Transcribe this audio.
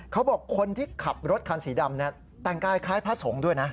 เขาบอกคนที่ขับรถคันสีดำแต่งกายคล้ายพระสงฆ์ด้วยนะ